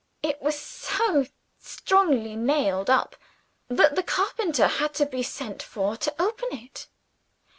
It was so strongly nailed up that the carpenter had to be sent for to open it.